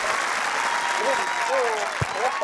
আমার বিশ্বাস, নিশ্চয় মদীনায় নয়।